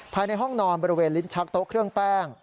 ภายในห้องนอนบริเวณลิ้นชักโต๊ะเครื่องแป้ง